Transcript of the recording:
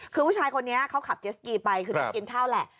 คือผู้ชายคนนี้เขาขับเจสกีไปคือต้องกินข้าวแหละ